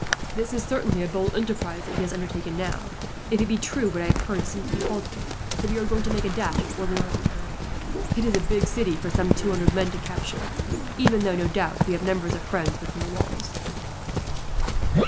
"This is certainly a bold enterprise that he has undertaken now, if it be true what I have heard, since we halted, that we are going to make a dash at Orleans. It is a big city for two hundred men to capture; even though, no doubt, we have numbers of friends within the walls."